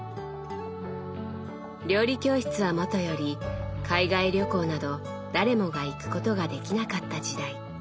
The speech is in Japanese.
料理教室はもとより海外旅行など誰もが行くことができなかった時代。